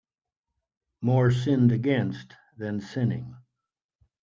More sinned against than sinning